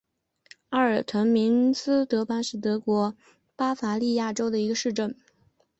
阿尔滕明斯特尔是德国巴伐利亚州的一个市镇。